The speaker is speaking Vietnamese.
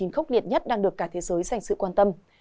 khốc liệt nhất đang được cả thế giới dành sự quan tâm